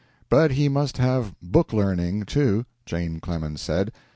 But he must have "book learning," too, Jane Clemens said.